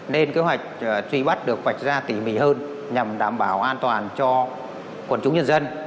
nên kế hoạch truy bắt được vạch ra tỉ mỉ hơn nhằm đảm bảo an toàn cho quần chúng nhân dân